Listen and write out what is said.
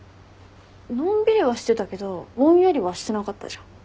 のんびりはしてたけどぼんやりはしてなかったじゃん。